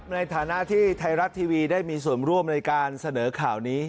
ในฐานะที่ไทยรัฐทีวีได้มีส่วนร่วมในการเสนอข่าวนี้